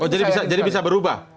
jadi bisa berubah